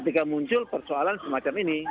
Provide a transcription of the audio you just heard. ketika muncul persoalan semacam ini